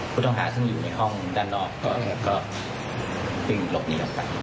ผู้ต้องหาซึ่งอยู่ในห้องด้านนอกก็วิ่งหลบหนีออกไป